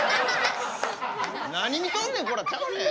「何見とんねんこら」ちゃうで。